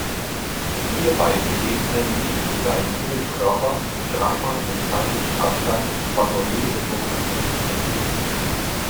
Hierbei begegnen sich die beiden Himmelskörper dreimal im zeitlichen Abstand von nur wenigen Monaten.